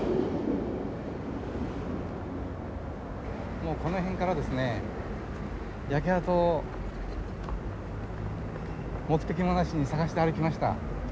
もうこの辺からですね焼け跡を目的もなしに探して歩きました。